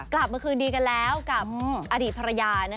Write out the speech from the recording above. กลับมาคืนดีกันแล้วกับอดีตภรรยา